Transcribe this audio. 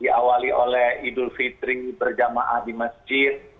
diawali oleh idul fitri berjamaah di masjid